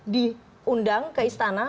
diundang ke istana